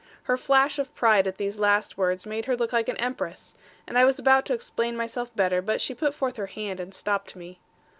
Her flash of pride at these last words made her look like an empress; and I was about to explain myself better, but she put forth her hand and stopped me.